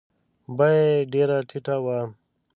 بویه یې ډېره ټیټه وه.